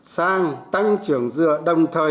sang tăng trưởng dựa đồng thời